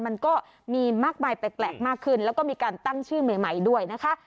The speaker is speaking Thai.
มันก็มีมากมายแปลกมากขึ้นแล้วก็มีการตั้งชื่อใหม่ด้วยนะคะ